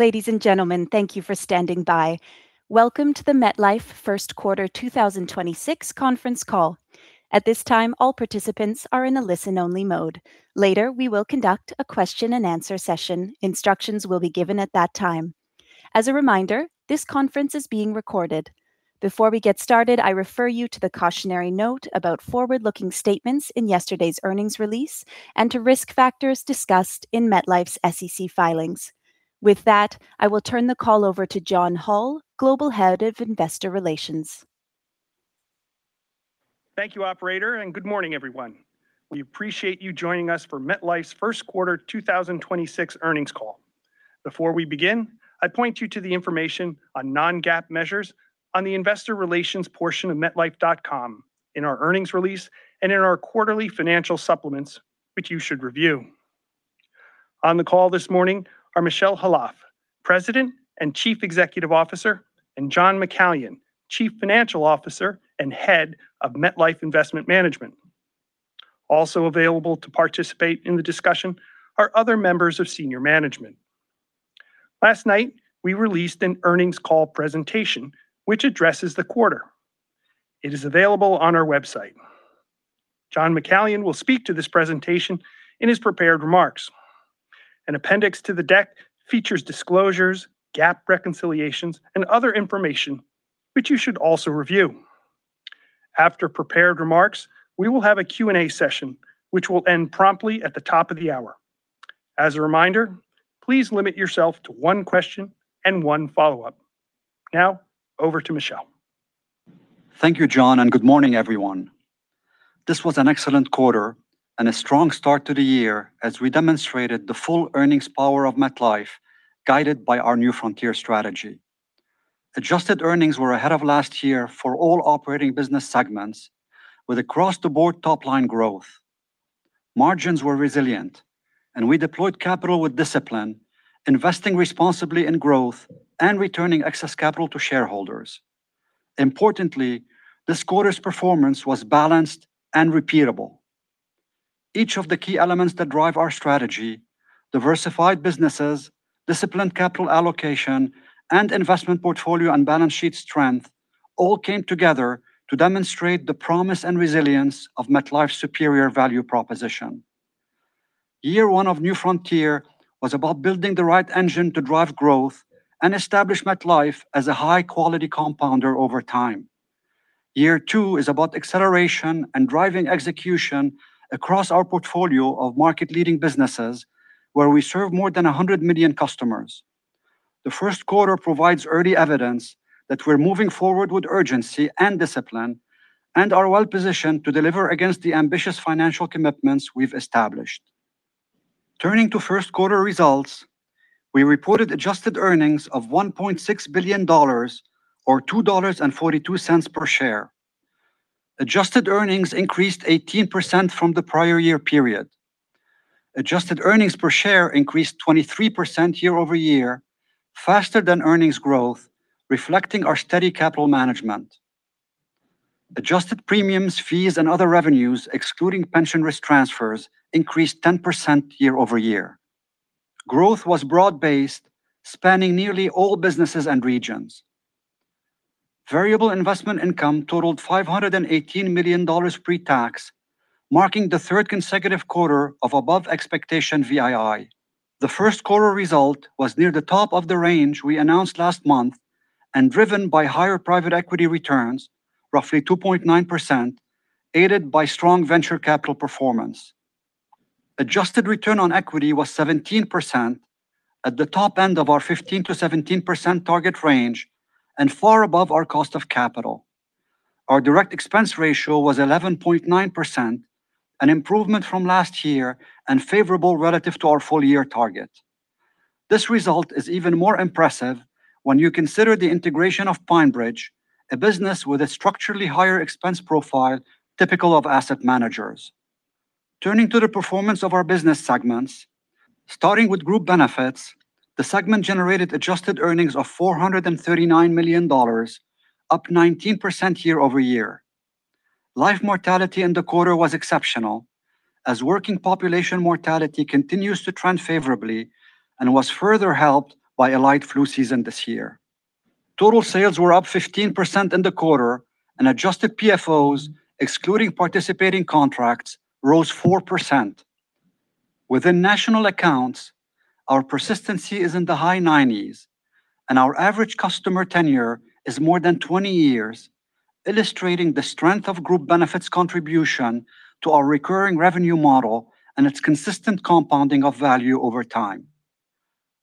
Ladies and gentlemen, thank you for standing by. Welcome to the MetLife first quarter 2026 conference call. At this time, all participants are in a listen-only mode. Later, we will conduct a question and answer session. Instructions will be given at that time. As a reminder, this conference is being recorded. Before we get started, I refer you to the cautionary note about forward-looking statements in yesterday's earnings release and to risk factors discussed in MetLife's SEC filings. With that, I will turn the call over to John Hall, Global Head of Investor Relations. Thank you, operator. Good morning, everyone. We appreciate you joining us for MetLife's first quarter 2026 earnings call. Before we begin, I point you to the information on non-GAAP measures on the investor relations portion of metlife.com, in our earnings release, and in our quarterly financial supplements, which you should review. On the call this morning are Michel Khalaf, President and Chief Executive Officer, and John McCallion, Chief Financial Officer and Head of MetLife Investment Management. Also available to participate in the discussion are other members of senior management. Last night, we released an earnings call presentation which addresses the quarter. It is available on our website. John McCallion will speak to this presentation in his prepared remarks. An appendix to the deck features disclosures, GAAP reconciliations, and other information which you should also review. After prepared remarks, we will have a Q&A session, which will end promptly at the top of the hour. As a reminder, please limit yourself to one question and one follow-up. Now, over to Michel. Thank you, John. Good morning, everyone. This was an excellent quarter and a strong start to the year as we demonstrated the full earnings power of MetLife, guided by our New Frontier strategy. Adjusted earnings were ahead of last year for all operating business segments, with across-the-board top-line growth. Margins were resilient. We deployed capital with discipline, investing responsibly in growth and returning excess capital to shareholders. Importantly, this quarter's performance was balanced and repeatable. Each of the key elements that drive our strategy, diversified businesses, disciplined capital allocation, and investment portfolio and balance sheet strength all came together to demonstrate the promise and resilience of MetLife's superior value proposition. Year one of New Frontier was about building the right engine to drive growth and establish MetLife as a high-quality compounder over time. Year two is about acceleration and driving execution across our portfolio of market-leading businesses where we serve more than 100 million customers. The first quarter provides early evidence that we're moving forward with urgency and discipline and are well-positioned to deliver against the ambitious financial commitments we've established. Turning to first quarter results, we reported adjusted earnings of $1.6 billion or $2.42 per share. Adjusted earnings increased 18% from the prior year period. adjusted earnings per share increased 23% year-over-year, faster than earnings growth, reflecting our steady capital management. Adjusted premiums, fees, and other revenues, excluding pension risk transfers, increased 10% year-over-year. Growth was broad-based, spanning nearly all businesses and regions. Variable investment income totaled $518 million pre-tax, marking the third consecutive quarter of above-expectation VII. The first quarter result was near the top of the range we announced last month and driven by higher private equity returns, roughly 2.9%, aided by strong venture capital performance. Adjusted return on equity was 17% at the top end of our 15%-17% target range and far above our cost of capital. Our direct expense ratio was 11.9%, an improvement from last year and favorable relative to our full year target. This result is even more impressive when you consider the integration of PineBridge, a business with a structurally higher expense profile typical of asset managers. Turning to the performance of our business segments, starting with Group Benefits, the segment generated adjusted earnings of $439 million, up 19% year-over-year. Life mortality in the quarter was exceptional, as working population mortality continues to trend favorably and was further helped by a light flu season this year. Total sales were up 15% in the quarter, and Adjusted PFOs, excluding participating contracts, rose 4%. Within National Accounts, our persistency is in the high 90s%, and our average customer tenure is more than 20 years, illustrating the strength of Group Benefits contribution to our recurring revenue model and its consistent compounding of value over time.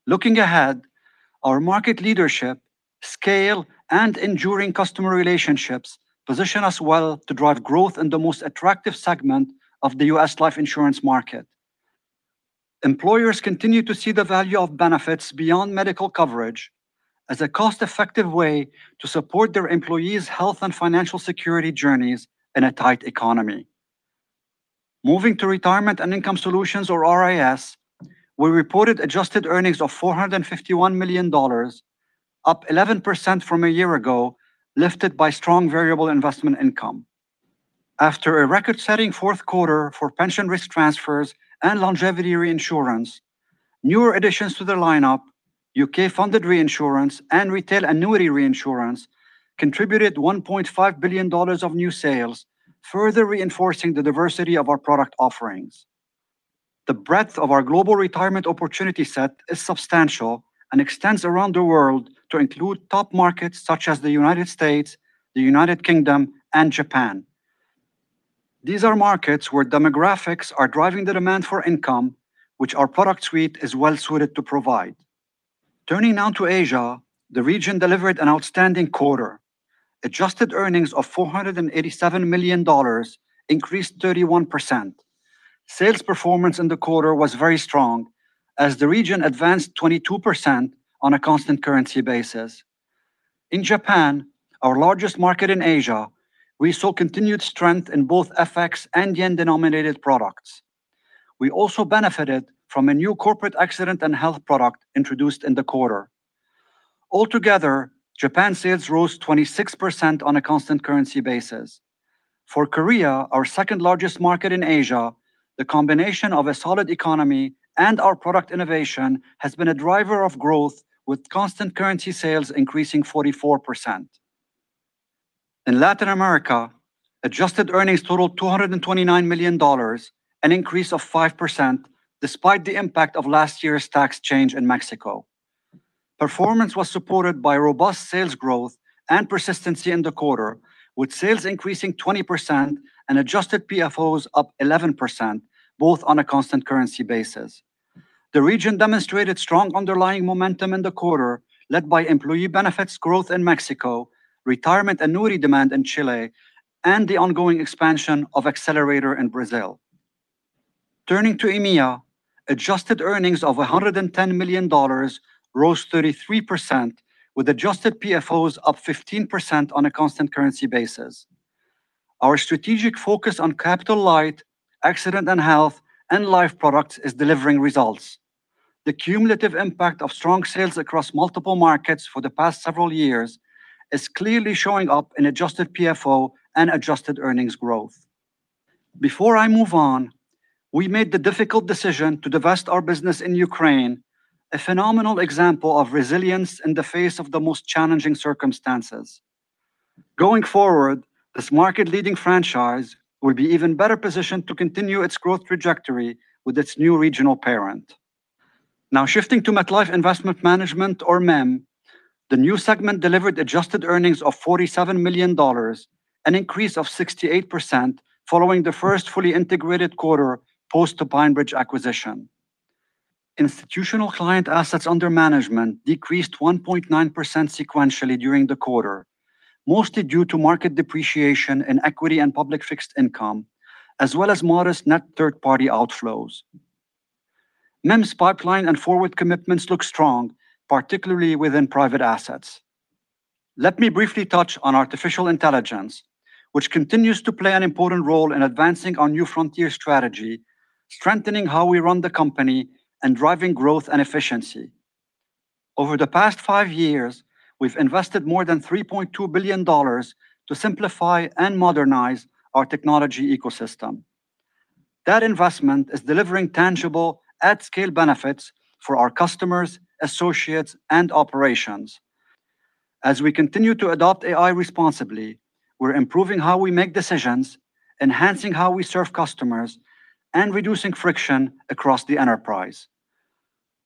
Looking ahead, our market leadership, scale, and enduring customer relationships position us well to drive growth in the most attractive segment of the U.S. life insurance market. Employers continue to see the value of benefits beyond medical coverage as a cost-effective way to support their employees' health and financial security journeys in a tight economy. Moving to Retirement and Income Solutions, or RIS, we reported adjusted earnings of $451 million, up 11% from a year ago, lifted by strong variable investment income. After a record-setting fourth quarter for pension risk transfers and longevity reinsurance, newer additions to the lineup, U.K. longevity reinsurance and retail annuity reinsurance, contributed $1.5 billion of new sales, further reinforcing the diversity of our product offerings. The breadth of our global retirement opportunity set is substantial and extends around the world to include top markets such as the United States, the United Kingdom, and Japan. These are markets where demographics are driving the demand for income, which our product suite is well-suited to provide. Turning now to Asia, the region delivered an outstanding quarter. Adjusted earnings of $487 million increased 31%. Sales performance in the quarter was very strong as the region advanced 22% on a constant currency basis. In Japan, our largest market in Asia, we saw continued strength in both FX and yen-denominated products. We also benefited from a new corporate accident and health product introduced in the quarter. Altogether, Japan sales rose 26% on a constant currency basis. For Korea, our second-largest market in Asia, the combination of a solid economy and our product innovation has been a driver of growth with constant currency sales increasing 44%. In Latin America, adjusted earnings totaled $229 million, an increase of 5% despite the impact of last year's tax change in Mexico. Performance was supported by robust sales growth and persistency in the quarter, with sales increasing 20% and adjusted PFOs up 11%, both on a constant currency basis. The region demonstrated strong underlying momentum in the quarter, led by employee benefits growth in Mexico, retirement annuity demand in Chile, and the ongoing expansion of Xcelerator in Brazil. Turning to EMEA, adjusted earnings of $110 million rose 33% with Adjusted PFOs up 15% on a constant currency basis. Our strategic focus on capital light, accident and health, and life products is delivering results. The cumulative impact of strong sales across multiple markets for the past several years is clearly showing up in Adjusted PFO and adjusted earnings growth. Before I move on, we made the difficult decision to divest our business in Ukraine, a phenomenal example of resilience in the face of the most challenging circumstances. Going forward, this market-leading franchise will be even better positioned to continue its growth trajectory with its new regional parent. Now shifting to MetLife Investment Management or MIM, the new segment delivered adjusted earnings of $47 million, an increase of 68% following the first fully integrated quarter post the PineBridge acquisition. Institutional client assets under management decreased 1.9% sequentially during the quarter, mostly due to market depreciation in equity and public fixed income, as well as modest net third-party outflows. MIM's pipeline and forward commitments look strong, particularly within private assets. Let me briefly touch on artificial intelligence, which continues to play an important role in advancing our New Frontier strategy, strengthening how we run the company, and driving growth and efficiency. Over the past five years, we've invested more than $3.2 billion to simplify and modernize our technology ecosystem. That investment is delivering tangible at-scale benefits for our customers, associates, and operations. As we continue to adopt AI responsibly, we're improving how we make decisions, enhancing how we serve customers, and reducing friction across the enterprise.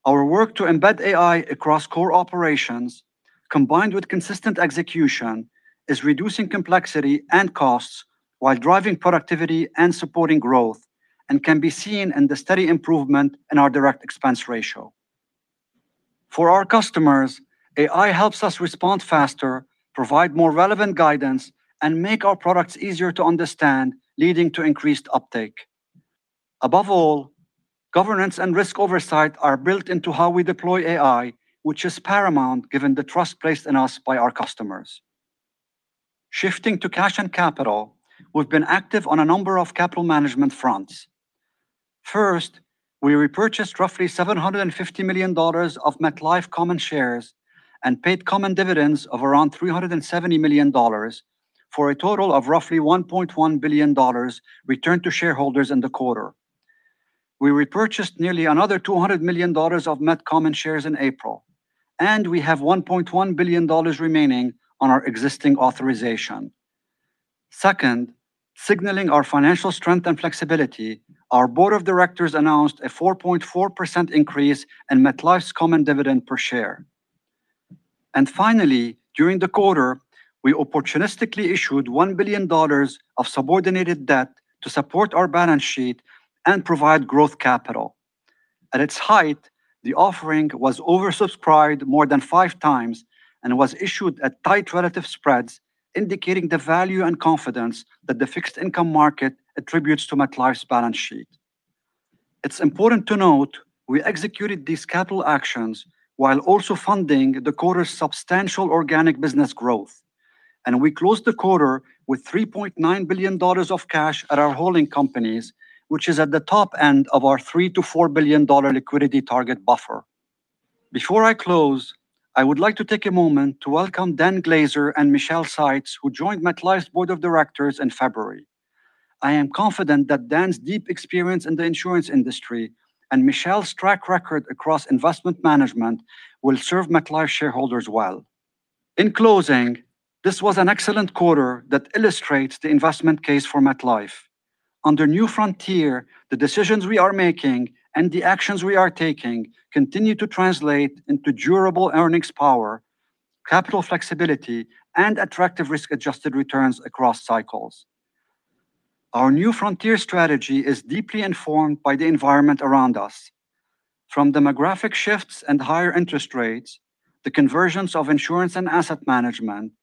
Our work to embed AI across core operations, combined with consistent execution, is reducing complexity and costs while driving productivity and supporting growth and can be seen in the steady improvement in our direct expense ratio. For our customers, AI helps us respond faster, provide more relevant guidance, and make our products easier to understand, leading to increased uptake. Above all, governance and risk oversight are built into how we deploy AI, which is paramount given the trust placed in us by our customers. Shifting to cash and capital, we've been active on a number of capital management fronts. First, we repurchased roughly $750 million of MetLife common shares and paid common dividends of around $370 million, for a total of roughly $1.1 billion returned to shareholders in the quarter. We repurchased nearly another $200 million of Met common shares in April, and we have $1.1 billion remaining on our existing authorization. Second, signaling our financial strength and flexibility, our Board of Directors announced a 4.4% increase in MetLife's common dividend per share. Finally, during the quarter, we opportunistically issued $1 billion of subordinated debt to support our balance sheet and provide growth capital. At its height, the offering was oversubscribed more than five times and was issued at tight relative spreads, indicating the value and confidence that the fixed income market attributes to MetLife's balance sheet. It's important to note we executed these capital actions while also funding the quarter's substantial organic business growth. We closed the quarter with $3.9 billion of cash at our holding companies, which is at the top end of our $3 billion-$4 billion liquidity target buffer. Before I close, I would like to take a moment to welcome Dan Glaser and Michelle Seitz, who joined MetLife's Board of Directors in February. I am confident that Dan's deep experience in the insurance industry and Michelle's track record across investment management will serve MetLife shareholders well. In closing, this was an excellent quarter that illustrates the investment case for MetLife. Under New Frontier, the decisions we are making and the actions we are taking continue to translate into durable earnings power, capital flexibility, and attractive risk-adjusted returns across cycles. Our New Frontier strategy is deeply informed by the environment around us. From demographic shifts and higher interest rates, the conversions of insurance and asset management,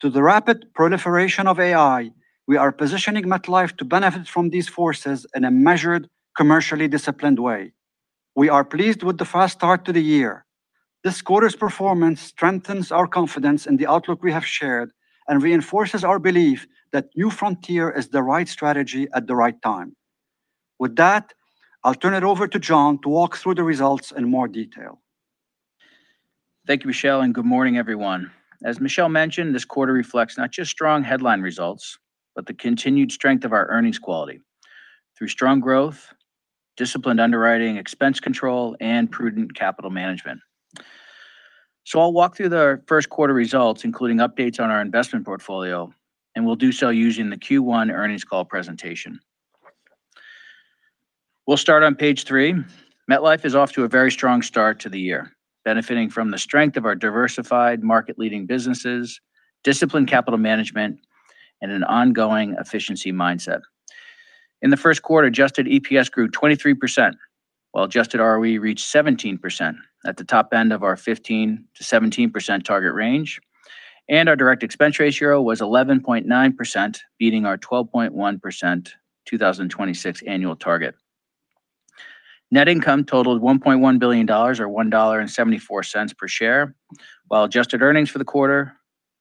to the rapid proliferation of AI, we are positioning MetLife to benefit from these forces in a measured, commercially disciplined way. We are pleased with the fast start to the year. This quarter's performance strengthens our confidence in the outlook we have shared and reinforces our belief that New Frontier is the right strategy at the right time. With that, I'll turn it over to John to walk through the results in more detail. Thank you, Michel, and good morning, everyone. As Michel mentioned, this quarter reflects not just strong headline results, but the continued strength of our earnings quality through strong growth, disciplined underwriting, expense control, and prudent capital management. I'll walk through the first quarter results, including updates on our investment portfolio, and we'll do so using the Q1 earnings call presentation. We'll start on page three. MetLife is off to a very strong start to the year, benefiting from the strength of our diversified market-leading businesses, disciplined capital management, and an ongoing efficiency mindset. In the first quarter, adjusted EPS grew 23%, while adjusted ROE reached 17% at the top end of our 15%-17% target range, and our direct expense ratio was 11.9%, beating our 12.1%, 2026 annual target. Net income totaled $1.1 billion or $1.74 per share, while adjusted earnings for the quarter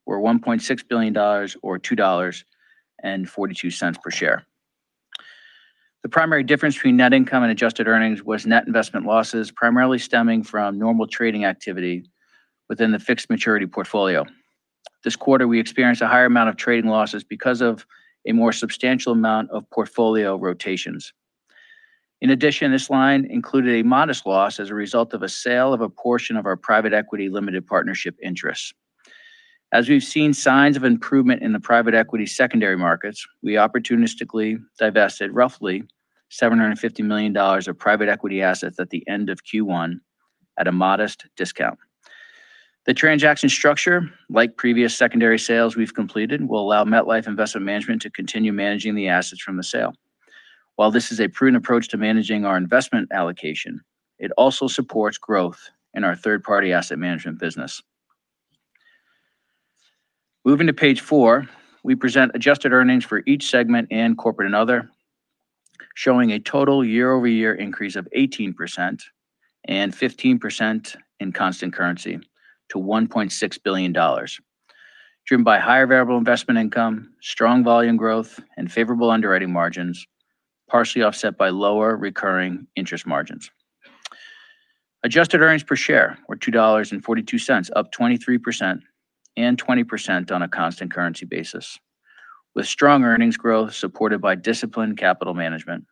were $1.6 billion or $2.42 per share. The primary difference between net income and adjusted earnings was net investment losses, primarily stemming from normal trading activity within the fixed maturity portfolio. This quarter, we experienced a higher amount of trading losses because of a more substantial amount of portfolio rotations. In addition, this line included a modest loss as a result of a sale of a portion of our private equity limited partnership interest. As we've seen signs of improvement in the private equity secondary markets, we opportunistically divested roughly $750 million of private equity assets at the end of Q1 at a modest discount. The transaction structure, like previous secondary sales we've completed, will allow MetLife Investment Management to continue managing the assets from the sale. While this is a prudent approach to managing our investment allocation, it also supports growth in our third-party asset management business. Moving to page four, we present adjusted earnings for each segment and corporate and other, showing a total year-over-year increase of 18% and 15% in constant currency to $1.6 billion, driven by higher variable investment income, strong volume growth, and favorable underwriting margins, partially offset by lower recurring interest margins. Adjusted earnings per share were $2.42, up 23% and 20% on a constant currency basis, with strong earnings growth supported by disciplined capital management.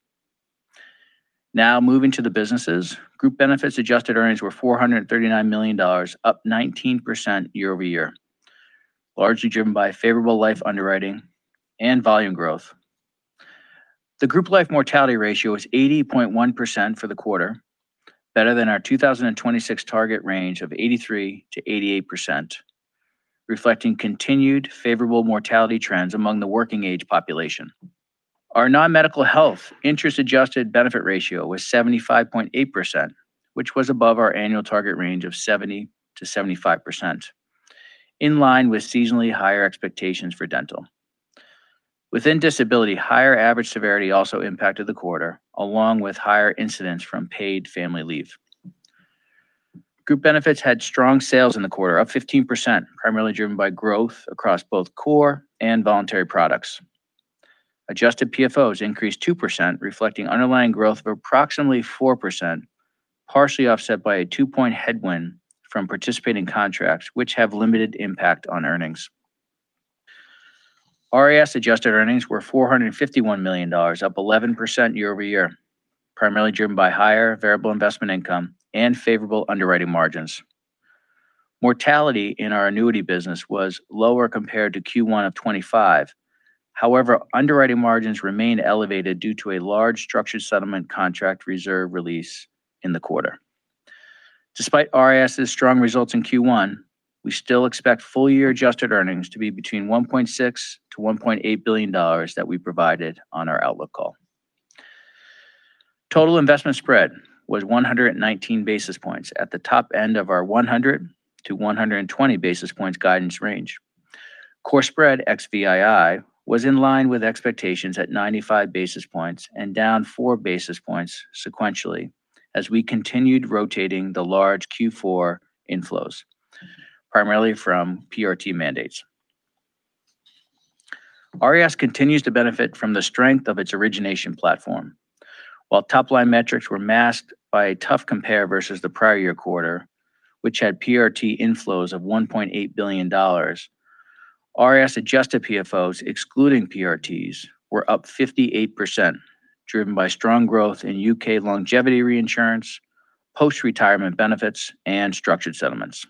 Now moving to the businesses. Group Benefits adjusted earnings were $439 million, up 19% year-over-year, largely driven by favorable life underwriting and volume growth. The Group Life mortality ratio is 80.1% for the quarter, better than our 2026 target range of 83%-88%, reflecting continued favorable mortality trends among the working age population. Our non-medical health interest adjusted benefit ratio was 75.8%, which was above our annual target range of 70%-75%, in line with seasonally higher expectations for dental. Within disability, higher average severity also impacted the quarter, along with higher incidence from paid family leave. Group Benefits had strong sales in the quarter, up 15%, primarily driven by growth across both core and voluntary products. Adjusted PFOs increased 2%, reflecting underlying growth of approximately 4%, partially offset by a two-point headwind from participating contracts, which have limited impact on earnings. RIS adjusted earnings were $451 million, up 11% year-over-year, primarily driven by higher variable investment income and favorable underwriting margins. Mortality in our annuity business was lower compared to Q1 of 2025. However, underwriting margins remain elevated due to a large structured settlement contract reserve release in the quarter. Despite RIS's strong results in Q1, we still expect full year adjusted earnings to be between $1.6 billion-$1.8 billion that we provided on our outlook call. Total investment spread was 119 basis points at the top end of our 100 basis points-120 basis points guidance range. Core spread ex VII was in line with expectations at 95 basis points and down 4 basis points sequentially as we continued rotating the large Q4 inflows, primarily from PRT mandates. RIS continues to benefit from the strength of its origination platform. While top-line metrics were masked by a tough compare versus the prior year quarter, which had PRT inflows of $1.8 billion, RIS Adjusted PFOs excluding PRTs were up 58%, driven by strong growth in U.K. Longevity reinsurance, post-retirement benefits, and structured settlements.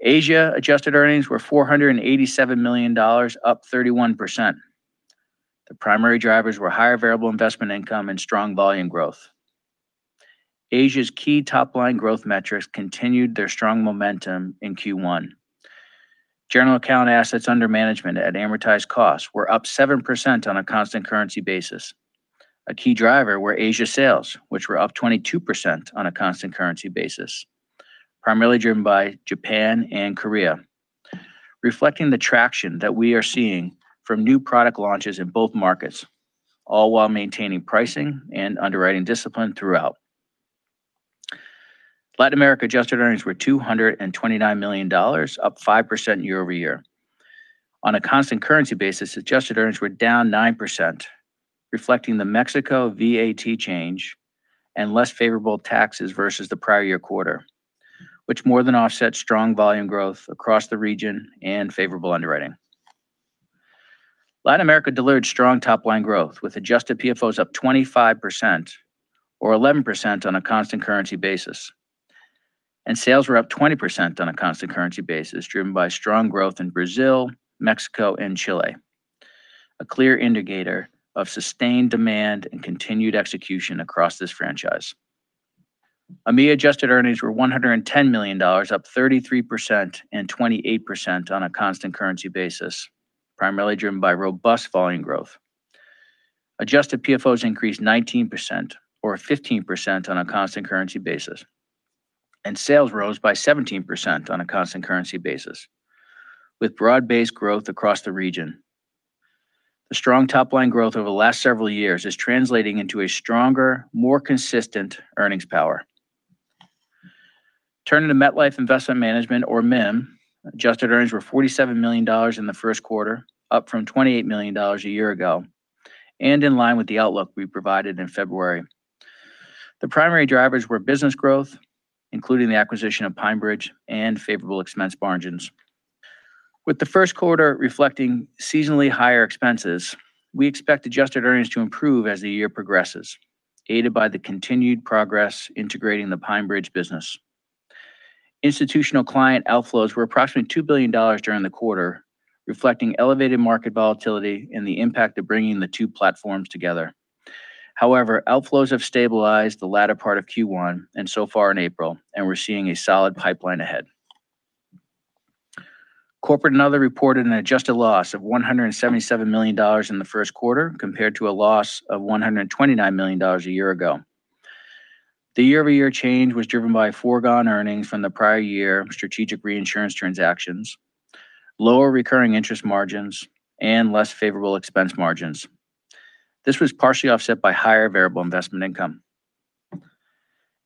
Asia adjusted earnings were $487 million, up 31%. The primary drivers were higher variable investment income and strong volume growth. Asia's key top-line growth metrics continued their strong momentum in Q1. General account assets under management at amortized costs were up 7% on a constant currency basis. A key driver were Asia sales, which were up 22% on a constant currency basis, primarily driven by Japan and Korea, reflecting the traction that we are seeing from new product launches in both markets, all while maintaining pricing and underwriting discipline throughout. Latin America adjusted earnings were $229 million, up 5% year-over-year. On a constant currency basis, adjusted earnings were down 9%, reflecting the Mexico VAT change and less favorable taxes versus the prior year quarter, which more than offset strong volume growth across the region and favorable underwriting. Latin America delivered strong top-line growth, with Adjusted PFOs up 25% or 11% on a constant currency basis, and sales were up 20% on a constant currency basis, driven by strong growth in Brazil, Mexico, and Chile, a clear indicator of sustained demand and continued execution across this franchise. EMEA adjusted earnings were $110 million, up 33% and 28% on a constant currency basis, primarily driven by robust volume growth. Adjusted PFOs increased 19% or 15% on a constant currency basis, and sales rose by 17% on a constant currency basis, with broad-based growth across the region. The strong top-line growth over the last several years is translating into a stronger, more consistent earnings power. Turning to MetLife Investment Management or MIM, adjusted earnings were $47 million in the first quarter, up from $28 million a year ago, in line with the outlook we provided in February. The primary drivers were business growth, including the acquisition of PineBridge and favorable expense margins. With the first quarter reflecting seasonally higher expenses, we expect adjusted earnings to improve as the year progresses, aided by the continued progress integrating the PineBridge business. Institutional client outflows were approximately $2 billion during the quarter, reflecting elevated market volatility and the impact of bringing the two platforms together. However, outflows have stabilized the latter part of Q1 and so far in April, we're seeing a solid pipeline ahead. Corporate and Other reported an adjusted loss of $177 million in the first quarter, compared to a loss of $129 million a year ago. The year-over-year change was driven by foregone earnings from the prior year strategic reinsurance transactions, lower recurring interest margins, and less favorable expense margins. This was partially offset by higher variable investment income.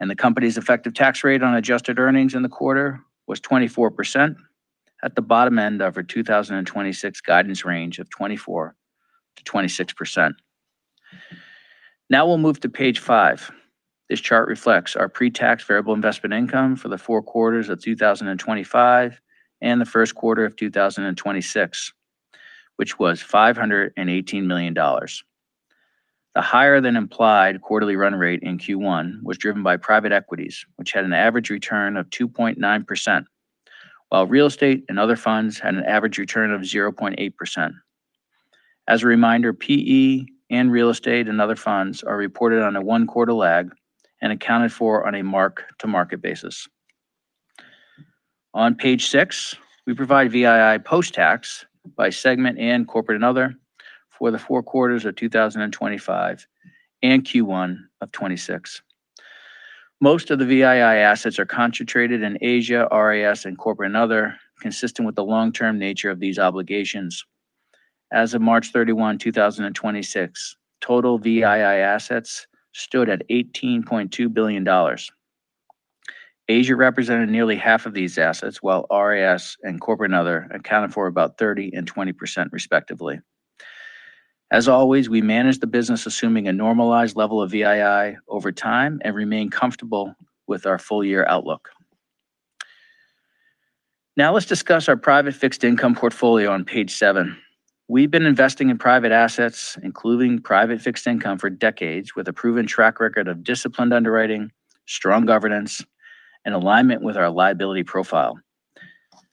The company's effective tax rate on adjusted earnings in the quarter was 24% at the bottom end of our 2026 guidance range of 24%-26%. Now we'll move to page five. This chart reflects our pre-tax variable investment income for the four quarters of 2025 and the first quarter of 2026, which was $518 million. The higher than implied quarterly run rate in Q1 was driven by private equities, which had an average return of 2.9%, while real estate and other funds had an average return of 0.8%. As a reminder, PE and real estate and other funds are reported on a one-quarter lag and accounted for on a mark-to-market basis. On page six, we provide VII post-tax by segment and corporate and other for the four quarters of 2025 and Q1 of 2026. Most of the VII assets are concentrated in Asia, RIS, and corporate and other, consistent with the long-term nature of these obligations. As of March 31, 2026, total VII assets stood at $18.2 billion. Asia represented nearly half of these assets, while RIS and corporate and other accounted for about 30% and 20% respectively. As always, we manage the business assuming a normalized level of VII over time and remain comfortable with our full year outlook. Let's discuss our private fixed income portfolio on page seven. We've been investing in private assets, including private fixed income for decades with a proven track record of disciplined underwriting, strong governance, and alignment with our liability profile.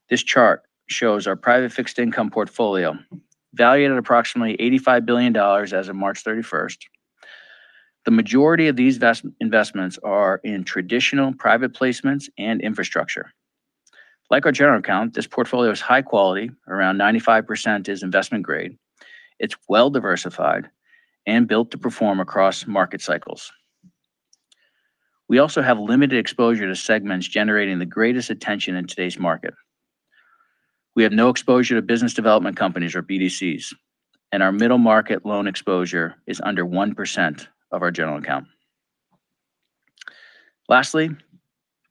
This chart shows our private fixed income portfolio valued at approximately $85 billion as of March 31st. The majority of these investments are in traditional private placements and infrastructure. Like our general account, this portfolio is high quality, around 95% is investment grade. It's well-diversified and built to perform across market cycles. We also have limited exposure to segments generating the greatest attention in today's market. We have no exposure to Business Development Companies or BDCs, and our middle market loan exposure is under 1% of our general account. Lastly,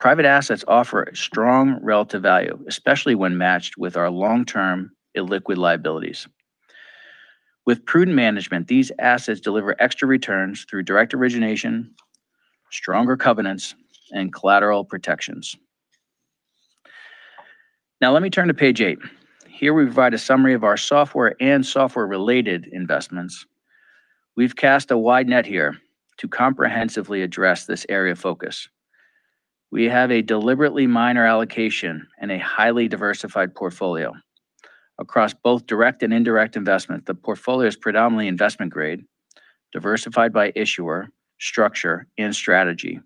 private assets offer strong relative value, especially when matched with our long-term illiquid liabilities. With prudent management, these assets deliver extra returns through direct origination, stronger covenants, and collateral protections. Let me turn to page eight. We provide a summary of our software and software-related investments. We've cast a wide net here to comprehensively address this area of focus. We have a deliberately minor allocation and a highly diversified portfolio. Across both direct and indirect investment, the portfolio is predominantly investment grade, diversified by issuer, structure, and strategy,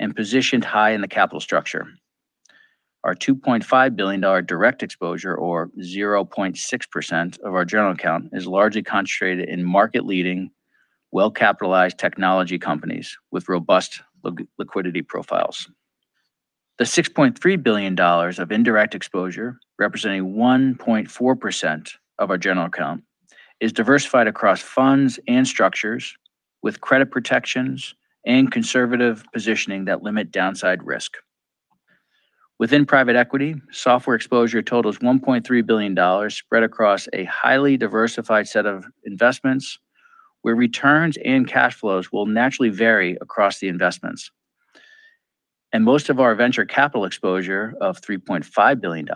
and positioned high in the capital structure. Our $2.5 billion direct exposure, or 0.6% of our general account, is largely concentrated in market-leading, well-capitalized technology companies with robust liquidity profiles. The $6.3 billion of indirect exposure, representing 1.4% of our general account, is diversified across funds and structures with credit protections and conservative positioning that limit downside risk. Within private equity, software exposure totals $1.3 billion spread across a highly diversified set of investments where returns and cash flows will naturally vary across the investments. Most of our venture capital exposure of $3.5 billion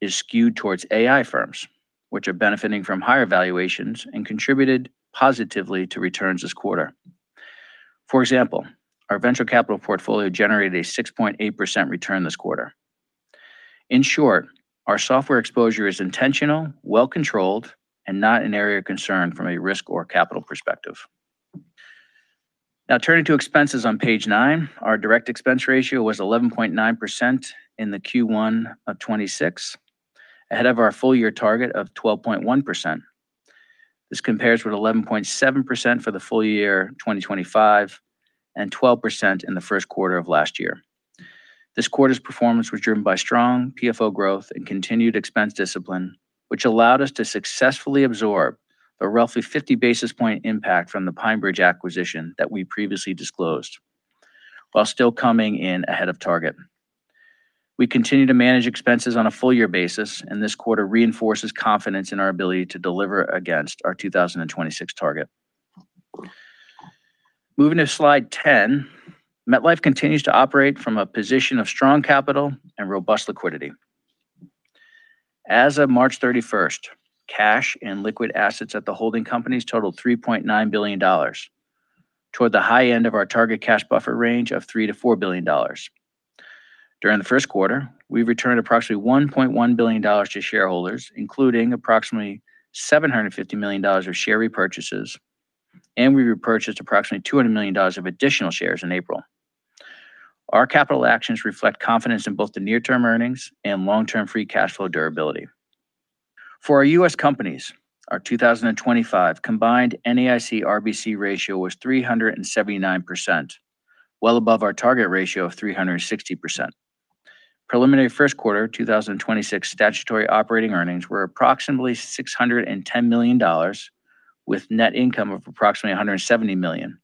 is skewed towards AI firms, which are benefiting from higher valuations and contributed positively to returns this quarter. For example, our venture capital portfolio generated a 6.8% return this quarter. In short, our software exposure is intentional, well-controlled, and not an area of concern from a risk or capital perspective. Turning to expenses on page nine, our direct expense ratio was 11.9% in Q1 2026, ahead of our full year target of 12.1%. This compares with 11.7% for the full year 2025 and 12% in the first quarter of last year. This quarter's performance was driven by strong PFO growth and continued expense discipline, which allowed us to successfully absorb the roughly 50 basis point impact from the PineBridge acquisition that we previously disclosed, while still coming in ahead of target. We continue to manage expenses on a full year basis, and this quarter reinforces confidence in our ability to deliver against our 2026 target. Moving to slide 10, MetLife continues to operate from a position of strong capital and robust liquidity. As of March 31st, cash and liquid assets at the holding companies totaled $3.9 billion, toward the high end of our target cash buffer range of $3 billion-$4 billion. During the first quarter, we returned approximately $1.1 billion to shareholders, including approximately $750 million of share repurchases, and we repurchased approximately $200 million of additional shares in April. Our capital actions reflect confidence in both the near-term earnings and long-term free cash flow durability. For our U.S. companies, our 2025 combined NAIC RBC ratio was 379%, well above our target ratio of 360%. Preliminary first quarter 2026 statutory operating earnings were approximately $610 million, with net income of approximately $170 million.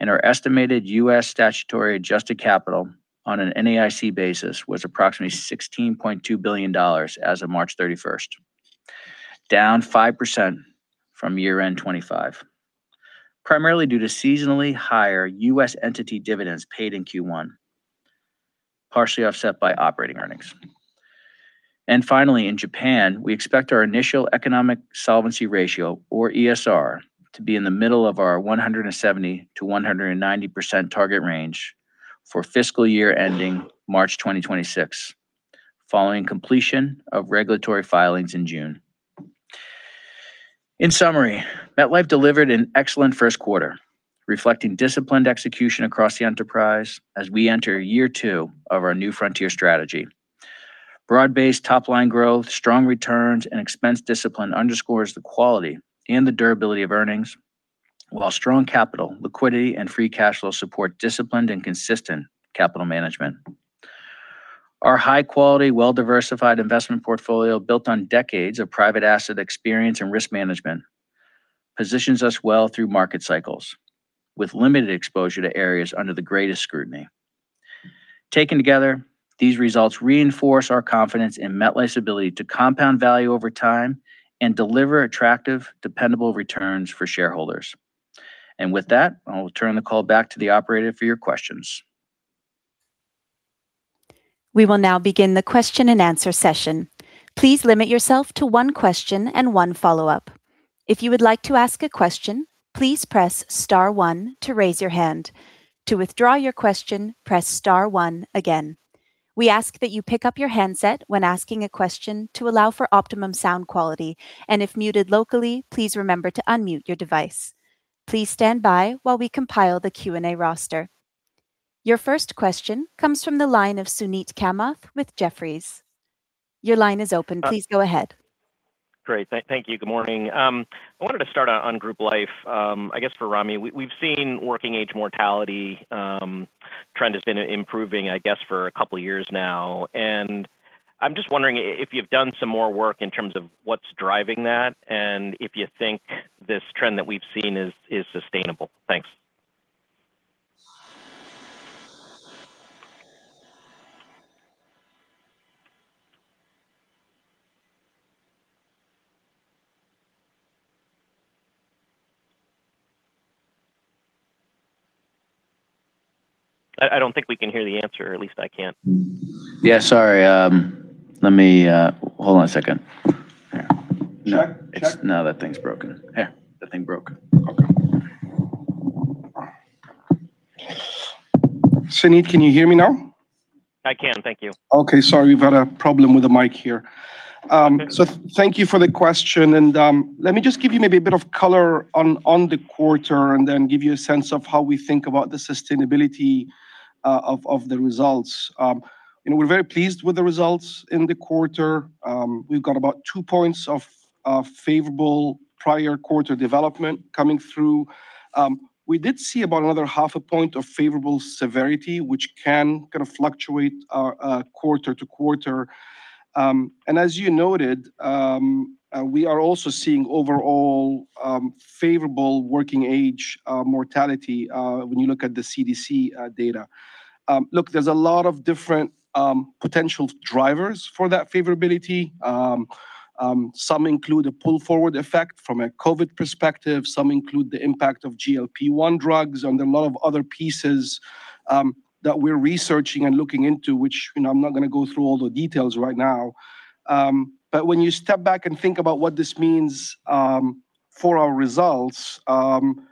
Our estimated U.S. statutory adjusted capital on an NAIC basis was approximately $16.2 billion as of March 31st, down 5% from year-end 2025, primarily due to seasonally higher U.S. entity dividends paid in Q1, partially offset by operating earnings. Finally, in Japan, we expect our initial economic solvency ratio, or ESR, to be in the middle of our 170%-190% target range for fiscal year ending March 2026, following completion of regulatory filings in June. In summary, MetLife delivered an excellent first quarter, reflecting disciplined execution across the enterprise as we enter year two of our New Frontier strategy. Broad-based top-line growth, strong returns, and expense discipline underscores the quality and the durability of earnings, while strong capital, liquidity, and free cash flow support disciplined and consistent capital management. Our high quality, well-diversified investment portfolio built on decades of private asset experience and risk management positions us well through market cycles with limited exposure to areas under the greatest scrutiny. Taken together, these results reinforce our confidence in MetLife's ability to compound value over time and deliver attractive, dependable returns for shareholders. With that, I will turn the call back to the operator for your questions. We will now begin the question and answer session. Please limit yourself to one question and one follow-up. If you would like to ask a question, please press star one to raise your hand. To withdraw your question, press star one again. We ask that you pick up your handset when asking a question to allow for optimum sound quality, and if muted locally, please remember to unmute your device. Please stand by while we compile the Q&A roster. Your first question comes from the line of Suneet Kamath with Jefferies. Your line is open. Please go ahead. Great. Thank you. Good morning. I wanted to start on group life. I guess for Ramy, we've seen working age mortality trend has been improving, I guess, for a couple years now. I'm just wondering if you've done some more work in terms of what's driving that, and if you think this trend that we've seen is sustainable? Thanks. I don't think we can hear the answer, or at least I can't. Yeah, sorry. Let me. Hold on a second. Hang on. No, that thing's broken. Here. That thing broke. Suneet, can you hear me now? I can. Thank you. Okay. Sorry, we've had a problem with the mic here. Thank you for the question, and let me just give you maybe a bit of color on the quarter, and then give you a sense of how we think about the sustainability of the results. You know, we're very pleased with the results in the quarter. We've got about two points of favorable prior quarter development coming through. We did see about another half a point of favorable severity, which can kind of fluctuate quarter to quarter. As you noted, we are also seeing overall favorable working age mortality when you look at the CDC data. Look, there's a lot of different potential drivers for that favorability. Some include a pull-forward effect from a COVID perspective. Some include the impact of GLP-1 drugs, and a lot of other pieces, that we're researching and looking into, which, you know, I'm not gonna go through all the details right now. When you step back and think about what this means for our results, you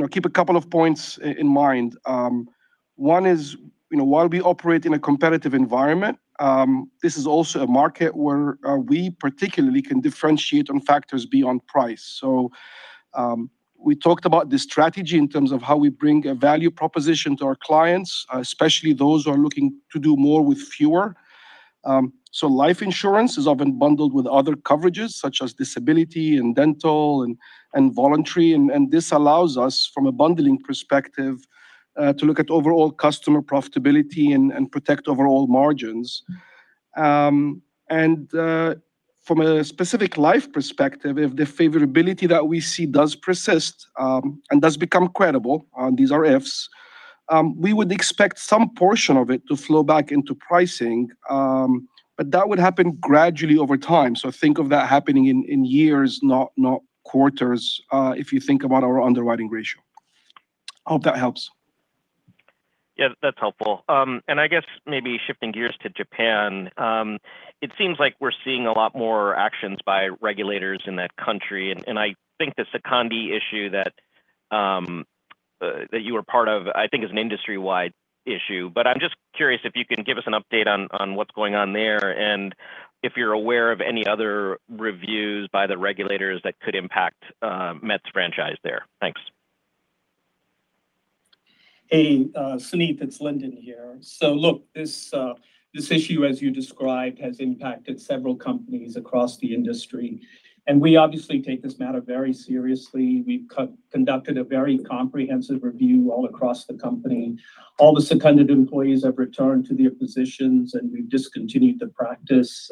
know, keep a couple of points in mind. One is, you know, while we operate in a competitive environment, this is also a market where we particularly can differentiate on factors beyond price. We talked about the strategy in terms of how we bring a value proposition to our clients, especially those who are looking to do more with fewer. Life insurance is often bundled with other coverages, such as disability and dental and voluntary, and this allows us, from a bundling perspective, to look at overall customer profitability and protect overall margins. From a specific life perspective, if the favorability that we see does persist and does become credible, and these are ifs, we would expect some portion of it to flow back into pricing. That would happen gradually over time. Think of that happening in years, not quarters, if you think about our underwriting ratio. Hope that helps. Yeah, that's helpful. I guess maybe shifting gears to Japan, it seems like we're seeing a lot more actions by regulators in that country, and I think the secondment issue that you were part of, I think is an industry-wide issue. I'm just curious if you can give us an update on what's going on there, and if you're aware of any other reviews by the regulators that could impact Met's franchise there. Thanks. Hey, Suneet, it's Lyndon here. Look, this issue, as you described, has impacted several companies across the industry, and we obviously take this matter very seriously. We've conducted a very comprehensive review all across the company. All the seconded employees have returned to their positions, and we've discontinued the practice.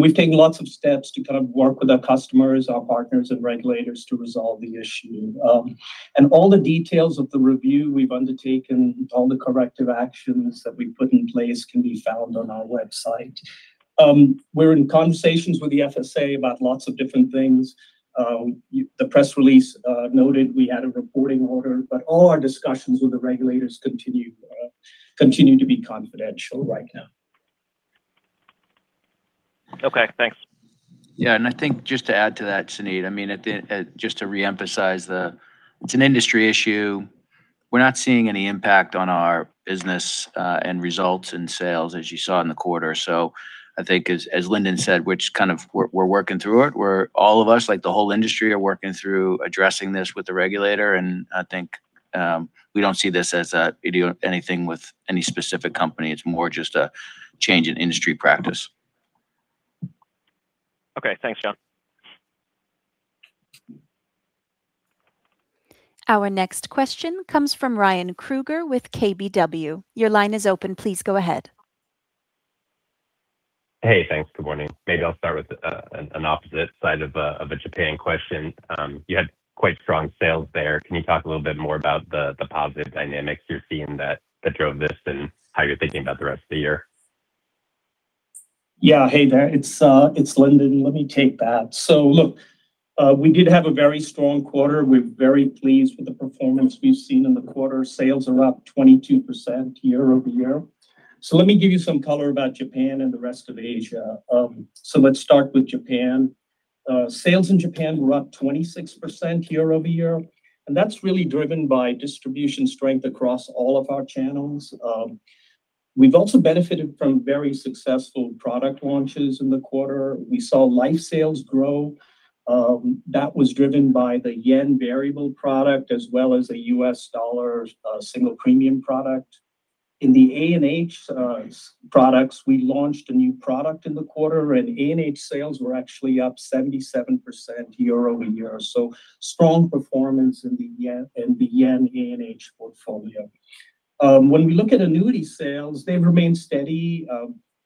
We've taken lots of steps to kind of work with our customers, our partners, and regulators to resolve the issue. All the details of the review we've undertaken, all the corrective actions that we've put in place can be found on our website. We're in conversations with the FSA about lots of different things. The press release noted we had a reporting order, all our discussions with the regulators continue to be confidential right now. Okay, thanks. Yeah, and I think just to add to that, Suneet, I mean, just to reemphasize the It's an industry issue. We're not seeing any impact on our business and results and sales, as you saw in the quarter. I think as Lyndon said, which kind of we're working through it. All of us, like the whole industry, are working through addressing this with the regulator, and I think we don't see this as anything with any specific company. It's more just a change in industry practice. Okay. Thanks, John. Our next question comes from Ryan Krueger with KBW. Your line is open. Please go ahead. Hey, thanks. Good morning. Maybe I'll start with an opposite side of a Japan question. You had quite strong sales there. Can you talk a little bit more about the positive dynamics you're seeing that drove this and how you're thinking about the rest of the year? Hey there, it's Lyndon. Let me take that. We did have a very strong quarter. We're very pleased with the performance we've seen in the quarter. Sales are up 22% year-over-year. Let me give you some color about Japan and the rest of Asia. Let's start with Japan. Sales in Japan were up 26% year-over-year, and that's really driven by distribution strength across all of our channels. We've also benefited from very successful product launches in the quarter. We saw life sales grow. That was driven by the yen variable product as well as a U.S. dollar single premium product. In the A&H products, we launched a new product in the quarter, and A&H sales were actually up 77% year-over-year. Strong performance in the yen, in the yen A&H portfolio. When we look at annuity sales, they've remained steady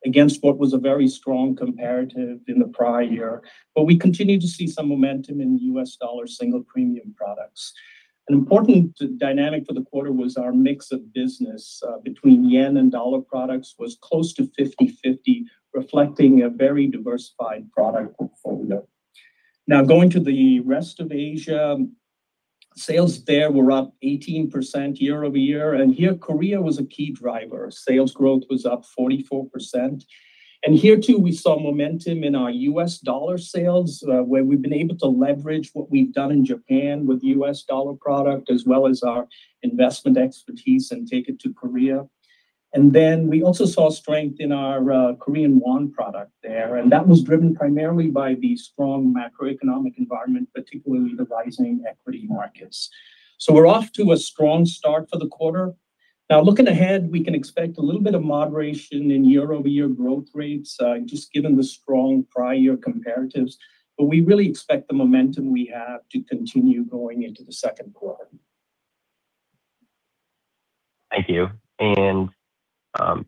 against what was a very strong comparative in the prior year. We continue to see some momentum in U.S. dollar single premium products. An important dynamic for the quarter was our mix of business between yen and dollar products was close to 50/50, reflecting a very diversified product portfolio. Going to the rest of Asia, sales there were up 18% year-over-year, and here Korea was a key driver. Sales growth was up 44%. Here too we saw momentum in our U.S. dollar sales, where we've been able to leverage what we've done in Japan with U.S. dollar product as well as our investment expertise and take it to Korea. We also saw strength in our Korean won product there, and that was driven primarily by the strong macroeconomic environment, particularly the rising equity markets. We're off to a strong start for the quarter. Now looking ahead, we can expect a little bit of moderation in year-over-year growth rates, just given the strong prior comparatives. We really expect the momentum we have to continue going into the second quarter. Thank you. On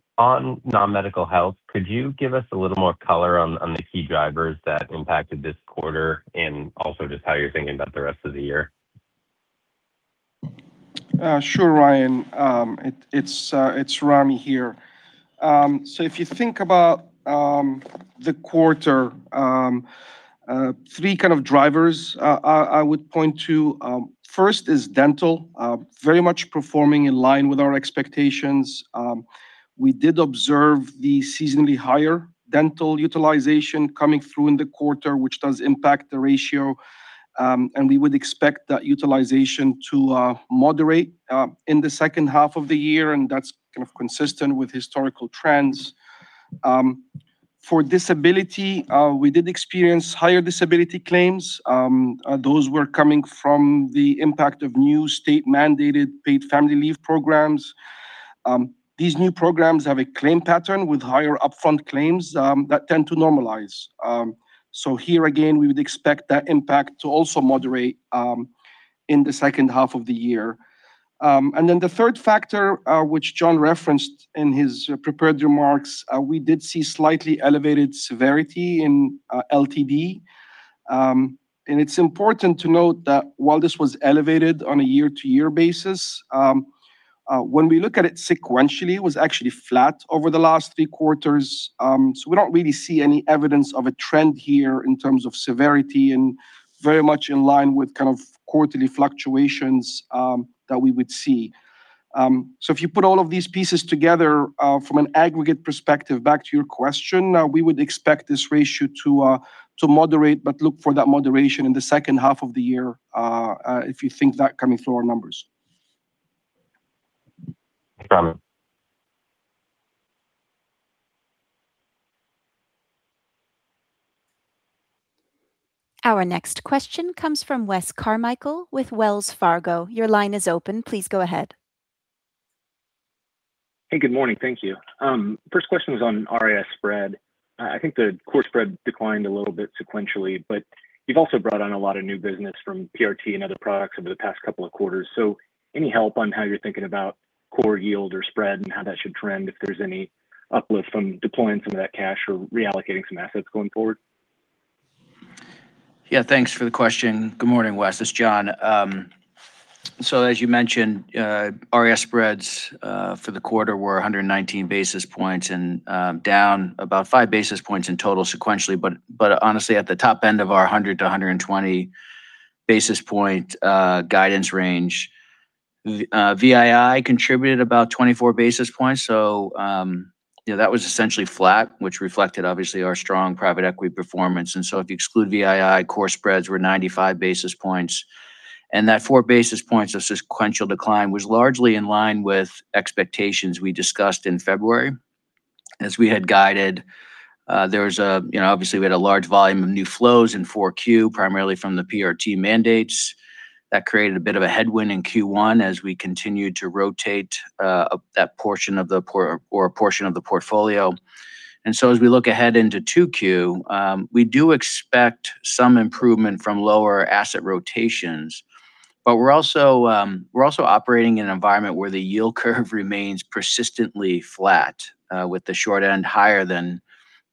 non-medical health, could you give us a little more color on the key drivers that impacted this quarter and also just how you're thinking about the rest of the year? Sure, Ryan. It's Ramy here. If you think about the quarter, three kind of drivers I would point to. First is dental. Very much performing in line with our expectations. We did observe the seasonally higher dental utilization coming through in the quarter, which does impact the ratio. We would expect that utilization to moderate in the second half of the year, and that's kind of consistent with historical trends. For disability, we did experience higher disability claims. Those were coming from the impact of new state-mandated Paid Family Leave programs. These new programs have a claim pattern with higher upfront claims that tend to normalize. Here again, we would expect that impact to also moderate in the second half of the year. The third factor, which John referenced in his prepared remarks, we did see slightly elevated severity in LTD. It's important to note that while this was elevated on a year-to-year basis, when we look at it sequentially, it was actually flat over the last three quarters. We don't really see any evidence of a trend here in terms of severity and very much in line with kind of quarterly fluctuations that we would see. If you put all of these pieces together, from an aggregate perspective, back to your question, we would expect this ratio to moderate, but look for that moderation in the second half of the year, if you think that coming through our numbers. Thanks, Ramy. Our next question comes from Wes Carmichael with Wells Fargo. Your line is open. Please go ahead. Hey, good morning. Thank you. First question was on RIS spread. I think the core spread declined a little bit sequentially, but you've also brought on a lot of new business from PRT and other products over the past two quarters. Any help on how you're thinking about core yield or spread and how that should trend if there's any uplift from deploying some of that cash or reallocating some assets going forward? Yeah, thanks for the question. Good morning, Wes. It's John. As you mentioned, RIS spreads for the quarter were 119 basis points and down about 5 basis points in total sequentially, but honestly at the top end of our 100 basis points-120 basis point guidance range. VII contributed about 24 basis points, you know, that was essentially flat, which reflected obviously our strong private equity performance. If you exclude VII, core spreads were 95 basis points. That 4 basis points of sequential decline was largely in line with expectations we discussed in February. As we had guided, you know, obviously we had a large volume of new flows in Q4, primarily from the PRT mandates. That created a bit of a headwind in Q1 as we continued to rotate a portion of the portfolio. As we look ahead into Q2, we do expect some improvement from lower asset rotations, but we're also operating in an environment where the yield curve remains persistently flat with the short end higher than